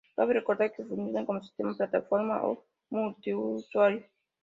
Cabe recordar que funciona como sistema plataforma o multiusuario.